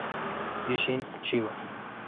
Isshin Chiba